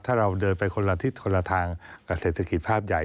ถ้าเราเดินไปคนละทิศคนละทางกับเศรษฐกิจภาพใหญ่